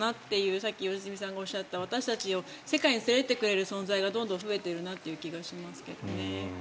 さっき良純さんがおっしゃった私たちを世界に連れていってくれる存在がどんどん増えているなという気がしますけどね。